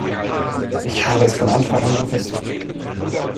Ich habe es von Anfang an gewusst!